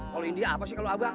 kalau india apa sih kalau abang